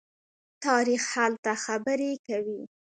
تاریخ هلته خبرې کوي.